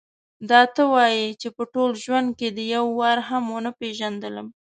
دا ته وې چې په ټول ژوند کې دې یو وار هم ونه پېژندلم.